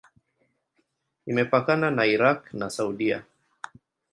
Imepakana na Irak na Saudia.